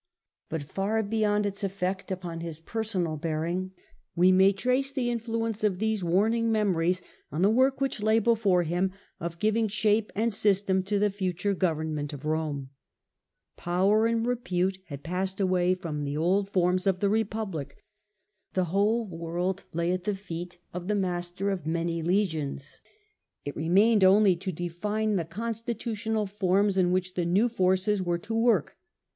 But, far beyond its effect upon his personal bearing, we may trace the influence of these warning memories on the work which lay before him, of giving The change shape and system to the future goveiiiment of Rome. Power and repute had passed away stitution. from the old forms of the Republic. The whole world lay at the feet of the master of many legions; it remained only to define the constitutional forms in which the new forces were to work.